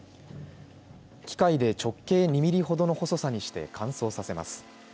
機械で直径２ミリほどの細さにして乾燥させます。